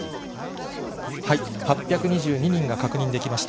８２２人が確認できました。